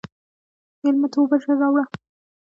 مېلمه ته اوبه ژر راوله.